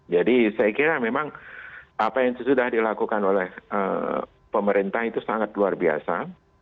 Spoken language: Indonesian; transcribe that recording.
jadi saya kira memang apa yang sudah dilakukan oleh pemerintah itu sangat luar biasa